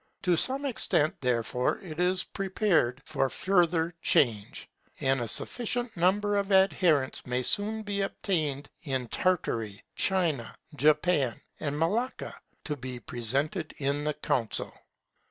To some extent, therefore, it is prepared for further change; and a sufficient number of adherents may soon be obtained for Tartary, China, Japan, and Malacca to be represented in the Council.